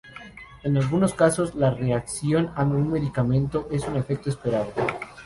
En algunos casos, la reacción a un medicamento es un efecto esperado.